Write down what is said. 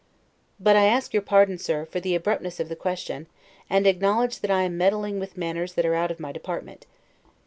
But I ask your pardon, Sir, for the abruptness of the question, and acknowledge that I am meddling with matters that are out of my department.